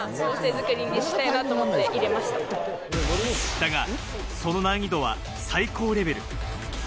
だが、その難易度は最高レベル。